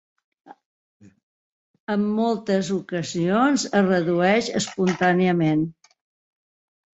En moltes ocasions es redueix espontàniament.